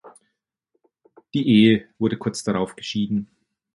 Die Ehe wurde kurz darauf geschieden.